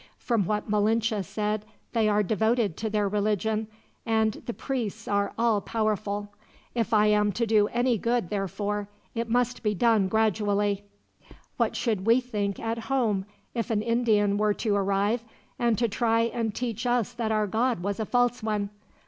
From what Malinche said they are devoted to their religion, and the priests are all powerful. If I am to do any good, therefore, it must be done gradually. "What should we think, at home, if an Indian were to arrive, and to try and teach us that our God was a false one?